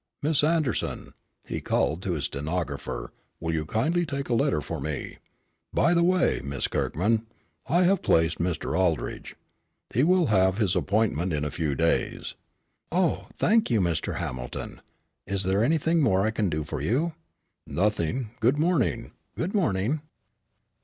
Miss Anderson," he called to his stenographer, "will you kindly take a letter for me. By the way, Miss Kirkman, I have placed Mr. Aldrich. He will have his appointment in a few days." "Oh, thank you, Mr. Hamilton; is there anything more I can do for you?" "Nothing. Good morning." "Good morning."